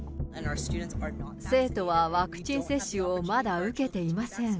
生徒はワクチン接種をまだ受けていません。